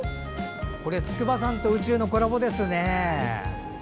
これ、筑波山と宇宙のコラボですね。